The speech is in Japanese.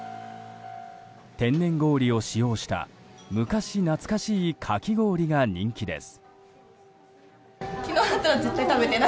天然氷を使用した昔懐かしいかき氷が人気です。